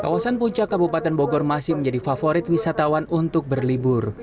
kawasan puncak kabupaten bogor masih menjadi favorit wisatawan untuk berlibur